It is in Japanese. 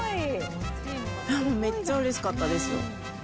めっちゃうれしかったですよ。